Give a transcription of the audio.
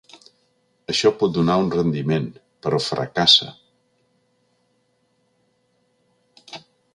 Això pot donar un rendiment, però fracassa.